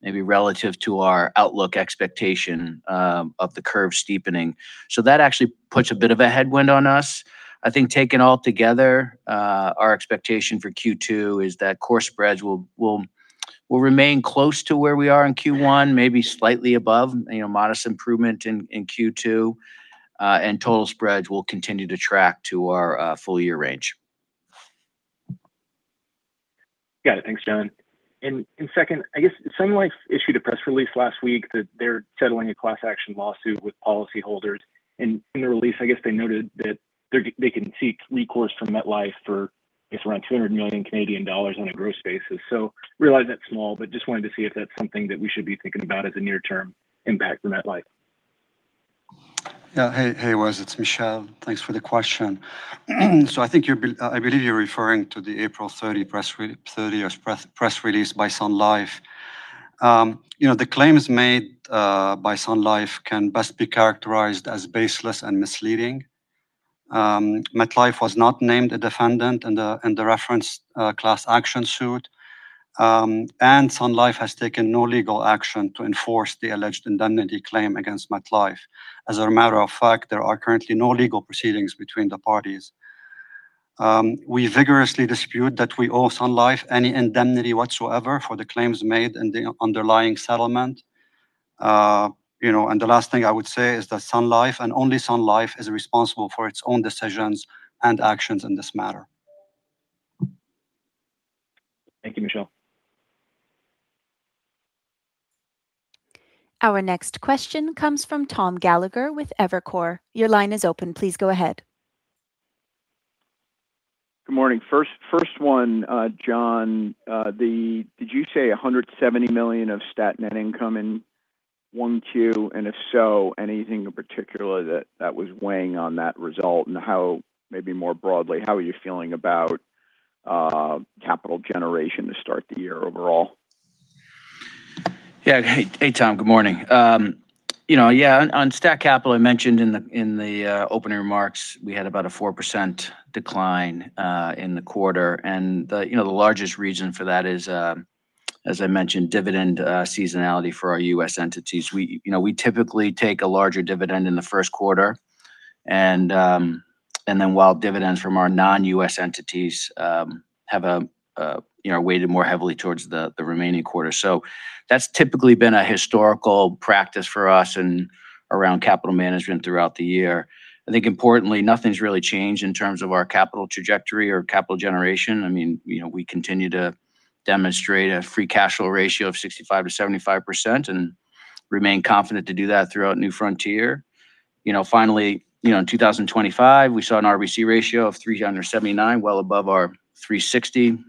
maybe relative to our outlook expectation of the curve steepening. That actually puts a bit of a headwind on us. I think taken all together, our expectation for Q2 is that core spreads will remain close to where we are in Q1, maybe slightly above, you know, modest improvement in Q2. Total spreads will continue to track to our full year range. Got it. Thanks, John. Second, I guess Sun Life issued a press release last week that they're settling a class action lawsuit with policyholders. In the release, I guess they noted that they can seek recourse from MetLife for, I guess around 200 million Canadian dollars on a gross basis. Realize that's small, but just wanted to see if that's something that we should be thinking about as a near-term impact in MetLife. Yeah. Hey, hey, Wes. It's Michel. Thanks for the question. I believe you're referring to the April 30, yes, press release by Sun Life. You know, the claims made by Sun Life can best be characterized as baseless and misleading. MetLife was not named a defendant in the reference class action suit. Sun Life has taken no legal action to enforce the alleged indemnity claim against MetLife. As a matter of fact, there are currently no legal proceedings between the parties. We vigorously dispute that we owe Sun Life any indemnity whatsoever for the claims made in the underlying settlement. You know, the last thing I would say is that Sun Life and only Sun Life is responsible for its own decisions and actions in this matter. Thank you, Michel. Our next question comes from Tom Gallagher with Evercore. Your line is open. Please go ahead. Good morning. First one, John, did you say $170 million of stat net income in Q1? If so, anything in particular that was weighing on that result? How, maybe more broadly, how are you feeling about capital generation to start the year overall? Yeah. Hey, hey, Tom. Good morning. You know, on stat capital, I mentioned in the opening remarks we had about a 4% decline in the quarter. The, you know, the largest reason for that is, as I mentioned, dividend seasonality for our U.S. entities. We typically take a larger dividend in the first quarter while dividends from our non-U.S. entities, you know, are weighted more heavily towards the remaining quarters. That's typically been a historical practice for us in around capital management throughout the year. I think importantly, nothing's really changed in terms of our capital trajectory or capital generation. I mean, you know, we continue to demonstrate a free cash flow ratio of 65%-75% and remain confident to do that throughout New Frontier. You know, finally, you know, in 2025, we saw an RBC ratio of 379%, well above our 360%.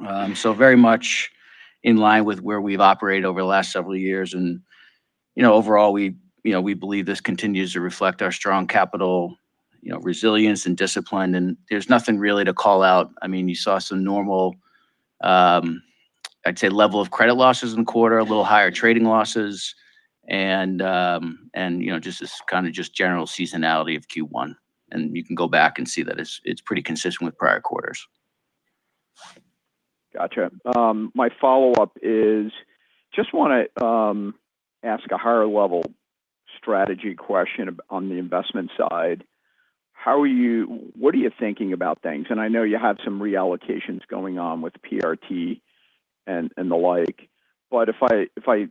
Very much in line with where we've operated over the last several years. You know, overall we, you know, we believe this continues to reflect our strong capital, you know, resilience and discipline, and there's nothing really to call out. I mean, you saw some normal, I'd say level of credit losses in the quarter, a little higher trading losses, and, you know, just this kind of just general seasonality of Q1. You can go back and see that it's pretty consistent with prior quarters. Gotcha. My follow-up is, just want to ask a higher level strategy question on the investment side. What are you thinking about things? I know you have some reallocations going on with PRT and the like. If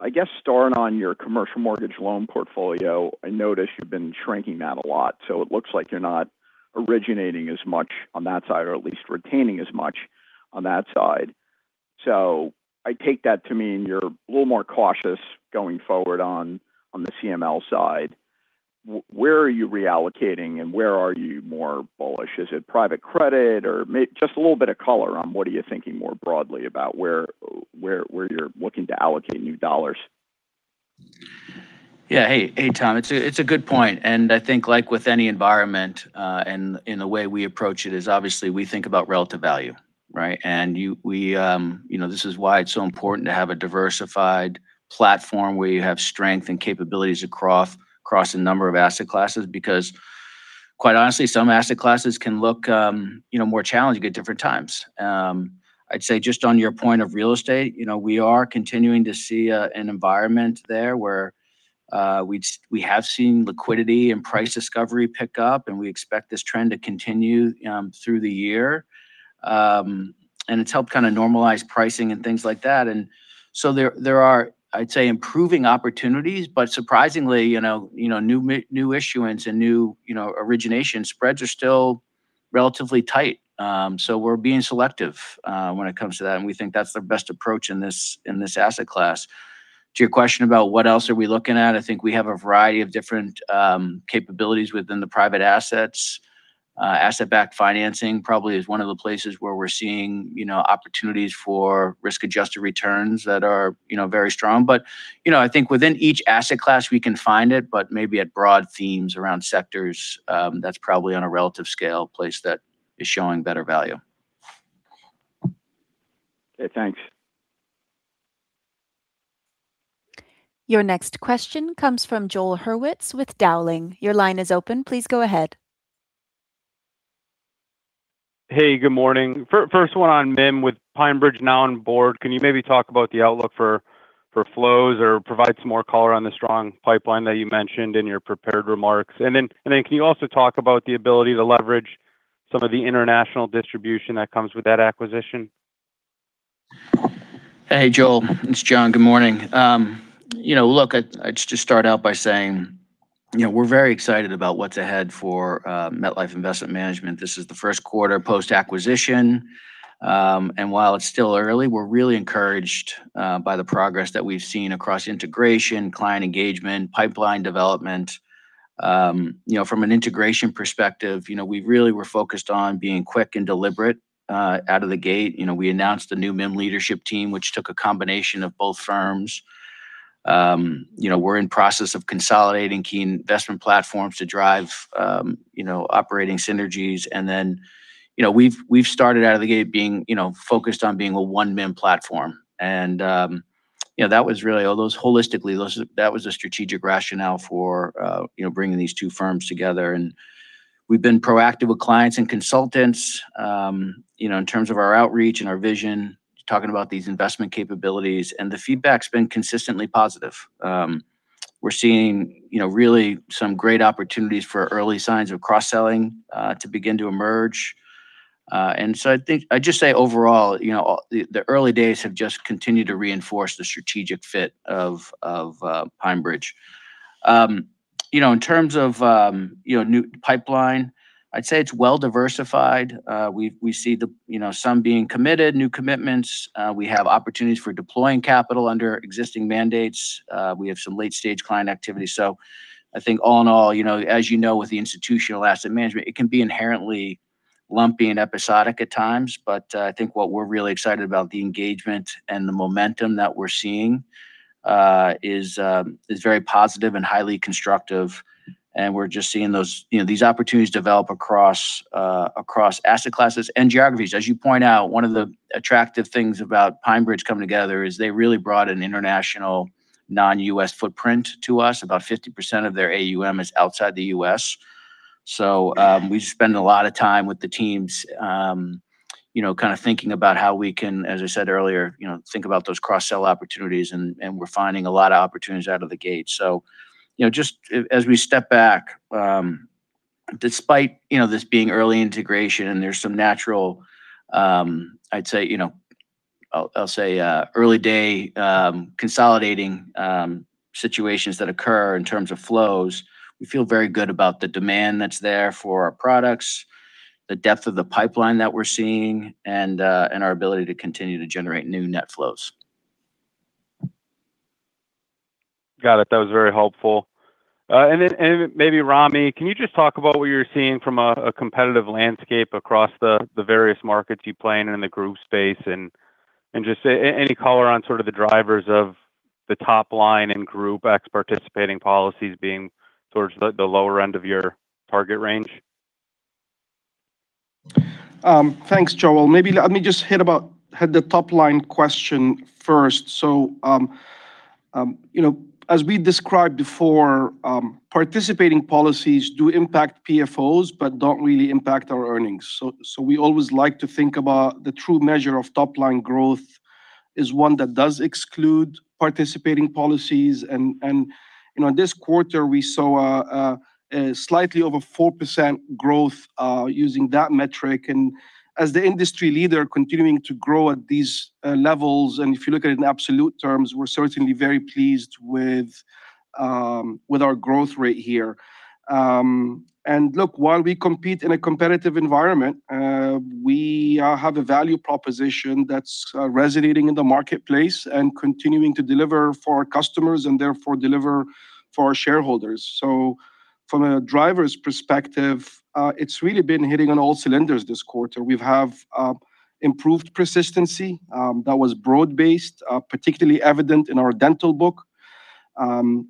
I guess starting on your commercial mortgage loan portfolio, I notice you've been shrinking that a lot. It looks like you're not originating as much on that side or at least retaining as much on that side. I take that to mean you're a little more cautious going forward on the CML side. Where are you reallocating and where are you more bullish? Is it private credit or just a little bit of color on what are you thinking more broadly about where you're looking to allocate new dollars? Hey, hey, Tom. It's a good point, I think like with any environment, in the way we approach it is obviously we think about relative value, right? You know, this is why it's so important to have a diversified platform where you have strength and capabilities across a number of asset classes because quite honestly, some asset classes can look, you know, more challenging at different times. I'd say just on your point of real estate, you know, we are continuing to see an environment there where we have seen liquidity and price discovery pick up, and we expect this trend to continue through the year. It's helped kind of normalize pricing and things like that. So there are, I'd say, improving opportunities, surprisingly, you know, new issuance and new, you know, origination spreads are still relatively tight. We're being selective when it comes to that, and we think that's the best approach in this asset class. To your question about what else are we looking at, I think we have a variety of different capabilities within the private assets. Asset-backed financing probably is one of the places where we're seeing, you know, opportunities for risk-adjusted returns that are, you know, very strong. You know, I think within each asset class we can find it but maybe at broad themes around sectors, that's probably on a relative scale place that is showing better value. Okay, thanks. Your next question comes from Joel Hurwitz with Dowling. Your line is open. Please go ahead. Hey, good morning. First one on MIM, with PineBridge now on board, can you maybe talk about the outlook for flows or provide some more color on the strong pipeline that you mentioned in your prepared remarks? Can you also talk about the ability to leverage some of the international distribution that comes with that acquisition? Hi Joel, it's John. Good morning. You know, look, I'd just start out by saying, you know, we're very excited about what's ahead for MetLife Investment Management. This is the first quarter post-acquisition. While it's still early, we're really encouraged by the progress that we've seen across integration, client engagement, pipeline development. You know, from an integration perspective, you know, we really were focused on being quick and deliberate out of the gate. You know, we announced a new MIM leadership team, which took a combination of both firms. You know, we're in process of consolidating key investment platforms to drive, you know, operating synergies. You know, we've started out of the gate being, you know, focused on being a one MIM platform. You know, that was really all those holistically, that was a strategic rationale for, you know, bringing these two firms together. We've been proactive with clients and consultants, you know, in terms of our outreach and our vision, talking about these investment capabilities, and the feedback's been consistently positive. We're seeing, you know, really some great opportunities for early signs of cross-selling to begin to emerge. I think I'd just say overall, you know, the early days have just continued to reinforce the strategic fit of PineBridge. You know, in terms of, you know, new pipeline, I'd say it's well diversified. We see the, you know, some being committed, new commitments. We have opportunities for deploying capital under existing mandates. We have some late stage client activity. I think all in all, you know, as you know, with the institutional asset management, it can be inherently lumpy and episodic at times. I think what we're really excited about, the engagement and the momentum that we're seeing, is very positive and highly constructive, and we're just seeing those, you know, these opportunities develop across asset classes and geographies. As you point out, one of the attractive things about PineBridge coming together is they really brought an international non-U.S. footprint to us. About 50% of their AUM is outside the U.S. We spend a lot of time with the teams, you know, kind of thinking about how we can, as I said earlier, you know, think about those cross-sell opportunities and we're finding a lot of opportunities out of the gate. You know, just as we step back, despite, you know, this being early integration and there's some natural, I'd say, you know, I'll say, early day, consolidating, situations that occur in terms of flows, we feel very good about the demand that's there for our products, the depth of the pipeline that we're seeing, and our ability to continue to generate new net flows. Got it. That was very helpful. Then maybe Ramy, can you just talk about what you're seeing from a competitive landscape across the various markets you play in the group space? Just any color on sort of the drivers of the top line in group ex participating policies being towards the lower end of your target range? Thanks, Joel. Maybe let me just hit the top line question first. You know, as we described before, participating policies do impact PFOs but don't really impact our earnings. We always like to think about the true measure of top-line growth is one that does exclude participating policies. You know, this quarter we saw a slightly over 4% growth using that metric. As the industry leader continuing to grow at these levels, and if you look at it in absolute terms, we're certainly very pleased with our growth rate here. Look, while we compete in a competitive environment, we have a value proposition that's resonating in the marketplace and continuing to deliver for our customers and therefore deliver for our shareholders. From a driver's perspective, it's really been hitting on all cylinders this quarter. We have improved persistency that was broad-based, particularly evident in our dental book.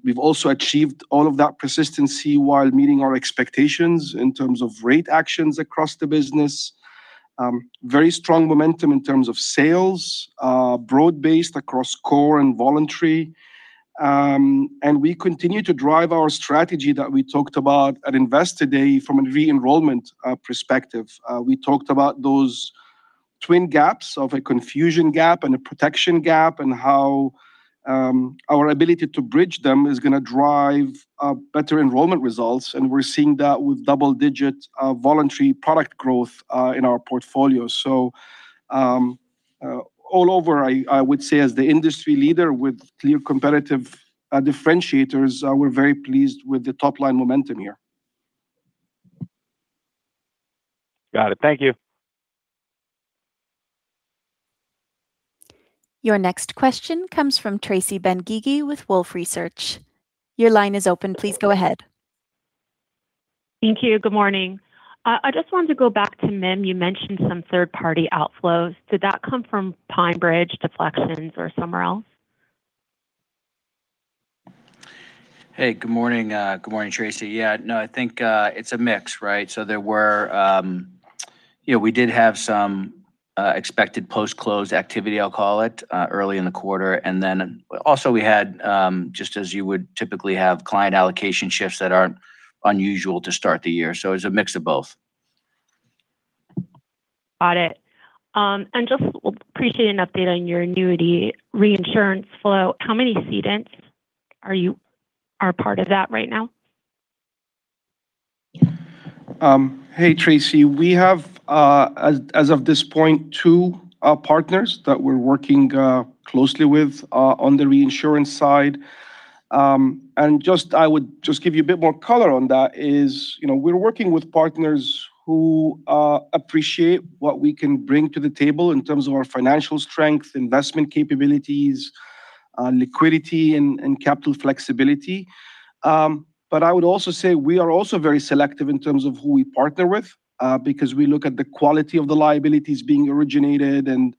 We've also achieved all of that persistency while meeting our expectations in terms of rate actions across the business. Very strong momentum in terms of sales, broad-based across core and voluntary. We continue to drive our strategy that we talked about at Investor Day from a re-enrollment perspective. We talked about those twin gaps of a confusion gap and a protection gap, and how our ability to bridge them is gonna drive better enrollment results, and we're seeing that with double-digit voluntary product growth in our portfolio. All over, I would say as the industry leader with clear competitive differentiators, we're very pleased with the top line momentum here. Got it. Thank you. Your next question comes from Tracy Benguigui with Wolfe Research. Your line is open. Please go ahead. Thank you. Good morning. I just wanted to go back to MIM. You mentioned some third-party outflows. Did that come from PineBridge defections or somewhere else? Hey, good morning. Good morning, Tracy. Yeah, no, I think it's a mix, right? You know, we did have some expected post-close activity, I'll call it, early in the quarter. We had, just as you would typically have, client allocation shifts that aren't unusual to start the year. It was a mix of both. Got it. Just would appreciate an update on your annuity reinsurance flow. How many cedents are part of that right now? Hey, Tracy. We have, as of this point, two partners that we're working closely with on the reinsurance side. I would just give you a bit more color on that is, you know, we're working with partners who appreciate what we can bring to the table in terms of our financial strength, investment capabilities, liquidity, and capital flexibility. I would also say we are also very selective in terms of who we partner with because we look at the quality of the liabilities being originated And,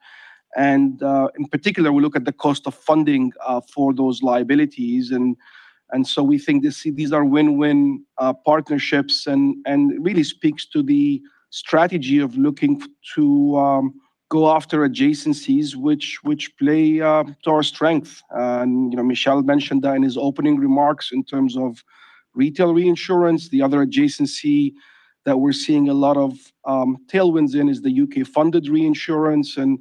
in particular, we look at the cost of funding for those liabilities. So we think these are win-win partnerships and really speaks to the strategy of looking to go after adjacencies which play to our strength. You know, Michel mentioned that in his opening remarks in terms of retail reinsurance. The other adjacency that we're seeing a lot of tailwinds in is the U.K. longevity reinsurance. You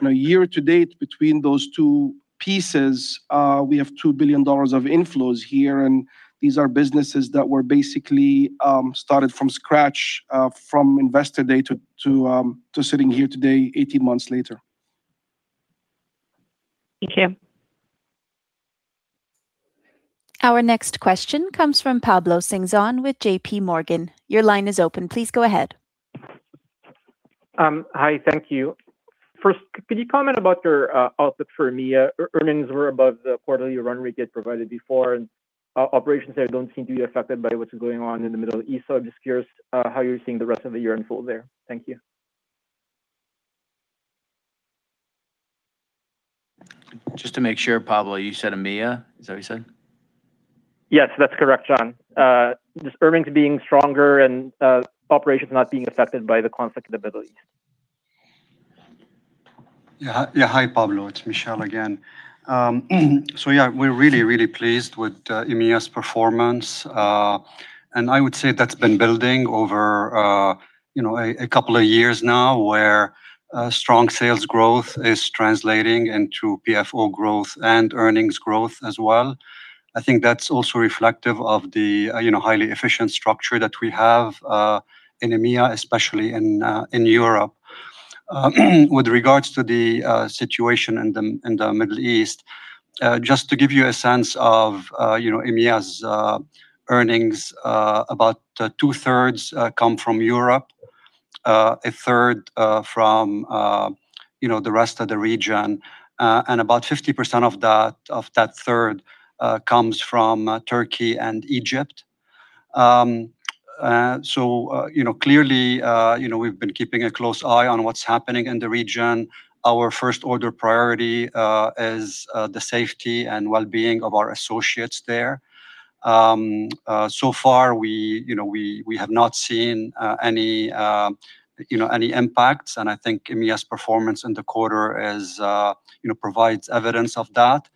know, year to date between those two pieces, we have $2 billion of inflows here, and these are businesses that were basically started from scratch from Investor Day to sitting here today 18 months later. Thank you. Our next question comes from Pablo Singzon with JPMorgan. Your line is open. Please go ahead. Hi. Thank you. First, could you comment about your outlook for EMEA? Earnings were above the quarterly run rate you had provided before and operations there don't seem to be affected by what's going on in the Middle East. I'm just curious how you're seeing the rest of the year unfold there. Thank you. Just to make sure, Pablo, you said EMEA? Is that what you said? Yes, that's correct, John. The earnings being stronger and operations not being affected by the conflict in the Middle East. Hi, Pablo. It's Michel again. We're really, really pleased with EMEA's performance. I would say that's been building over a couple of years now, where strong sales growth is translating into PFO growth and earnings growth as well. I think that's also reflective of the highly efficient structure that we have in EMEA, especially in Europe. With regards to the situation in the Middle East, just to give you a sense of EMEA's earnings, about 2/3 come from Europe, 1/3 from the rest of the region, and about 50% of that 1/3 comes from Turkey and Egypt. You know, clearly, you know, we've been keeping a close eye on what's happening in the region. Our first order priority is the safety and wellbeing of our associates there. So far we, you know, we have not seen any, you know, any impacts, and I think EMEA's performance in the quarter is, you know, provides evidence of that.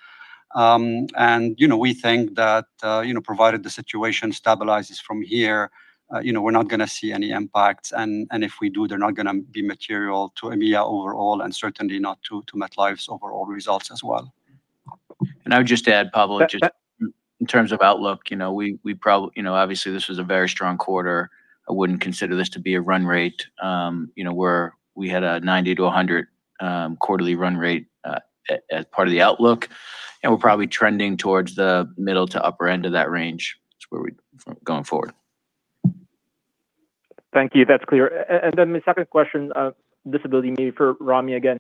You know, we think that, you know, provided the situation stabilizes from here, you know, we're not gonna see any impacts and, if we do, they're not gonna be material to EMEA overall and certainly not to MetLife's overall results as well. I would just add, Pablo, just in terms of outlook. You know, obviously this was a very strong quarter. I wouldn't consider this to be a run rate. You know, we had a $90 million-$100 million quarterly run rate as part of the outlook, and we're probably trending towards the middle to upper end of that range is where we're going forward. Thank you. That's clear. Then the second question, disability maybe for Ramy again.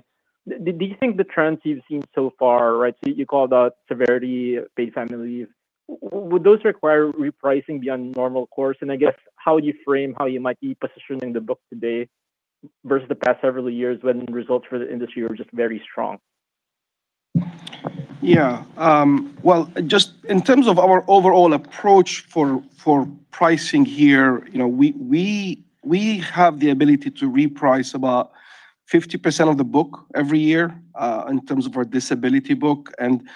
Do you think the trends you've seen so far, right, so you called out severity, paid family leave, would those require repricing beyond normal course? I guess how you frame how you might be positioning the book today versus the past several years when results for the industry are just very strong? Yeah. Well, just in terms of our overall approach for pricing here, you know, we have the ability to reprice about 50% of the book every year, in terms of our disability book, and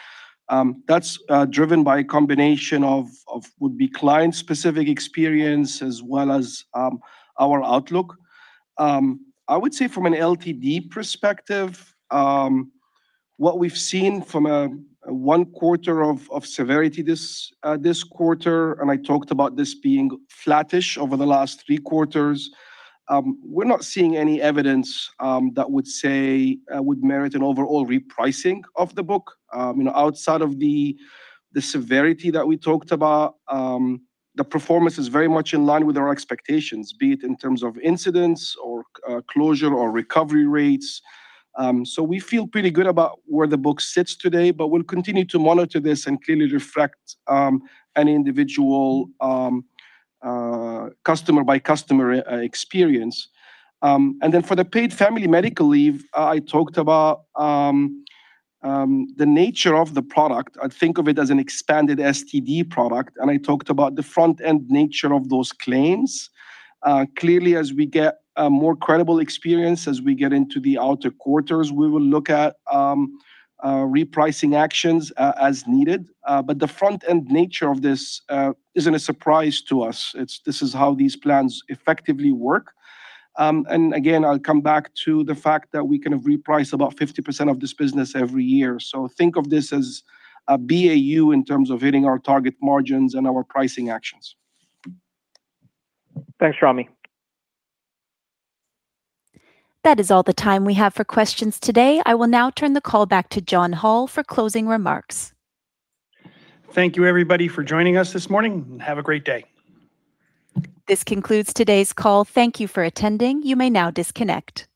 that's driven by a combination of client-specific experience as well as our outlook. I would say from an LTD perspective, what we've seen from a one quarter of severity this quarter, and I talked about this being flattish over the last three quarters, we're not seeing any evidence that would say would merit an overall repricing of the book. You know, outside of the severity that we talked about, the performance is very much in line with our expectations, be it in terms of incidence or closure or recovery rates. We feel pretty good about where the book sits today, but we'll continue to monitor this and clearly reflect an individual customer by customer experience. For the Paid Family Medical Leave, I talked about the nature of the product. I think of it as an expanded STD product, and I talked about the front-end nature of those claims. Clearly, as we get a more credible experience, as we get into the outer quarters, we will look at repricing actions as needed. But the front-end nature of this isn't a surprise to us. This is how these plans effectively work. Again, I'll come back to the fact that we kind of reprice about 50% of this business every year. Think of this as a BAU in terms of hitting our target margins and our pricing actions. Thanks, Ramy. That is all the time we have for questions today. I will now turn the call back to John Hall for closing remarks. Thank you, everybody, for joining us this morning, and have a great day. This concludes today's call. Thank you for attending. You may now disconnect.